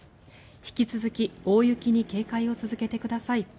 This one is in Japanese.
引き続き大雪に警戒を続けてください。